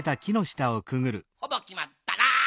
ほぼきまったな。